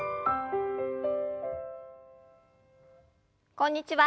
こんにちは。